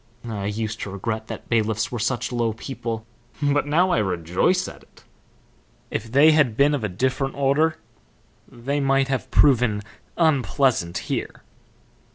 I used to regret that bailiffs were such low people, but now I rejoice at it. If they had been of a different order they might have proven unpleasant here."